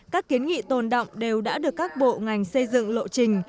các kiến nghị tồn động đều đã được các bộ ngành xây dựng lộ trình